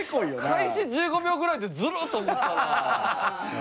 開始１５秒ぐらいでずるっ！と思ったな。